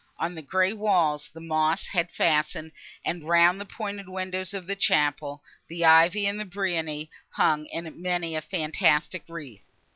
On the grey walls, the moss had fastened, and, round the pointed windows of the chapel, the ivy and the briony hung in many a fantastic wreath.